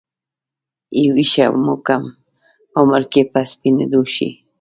ې ویښته مو کوم عمر کې په سپینیدو شي